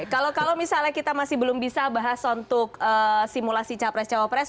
kalau misalnya kita masih belum bisa bahas untuk simulasi capres cawapres